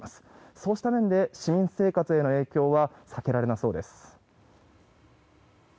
そうした面で市民生活への影響は避けられなさそうです。